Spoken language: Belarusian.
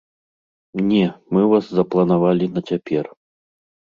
Не, мы вас запланавалі на цяпер.